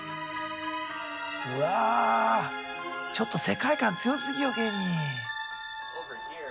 うわちょっと世界観強すぎよケニー。